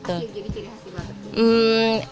jadi ciri khasnya apa